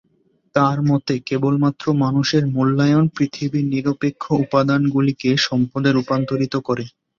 তাঁর মতে, কেবলমাত্র মানুষের "মূল্যায়ন" পৃথিবীর "নিরপেক্ষ উপাদান"গুলিকে সম্পদে রূপান্তরিত করে।